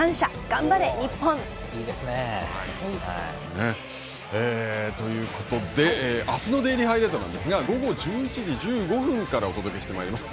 頑張れ日本。ということで明日の「デイリーハイライト」なんですが午後１１時１５分からお届けしてまいります。